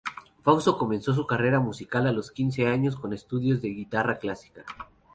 Fausto comenzó su carrera musical a los quince años con estudios de guitarra clásica.